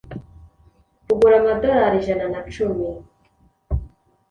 kagura amadolari ijana na cumi